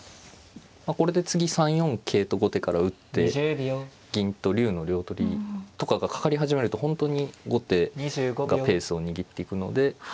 これで次３四桂と後手から打って銀と竜の両取りとかがかかり始めると本当に後手がペースを握っていくので。